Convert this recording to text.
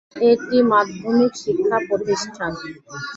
এটি মাধ্যমিক শিক্ষা প্রতিষ্ঠান।